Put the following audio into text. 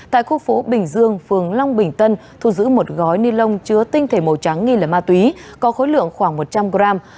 tại khu phố bình dương phường long bình tân thu giữ một gói ni lông chứa tinh thể màu trắng nghi là ma túy có khối lượng khoảng một trăm linh gram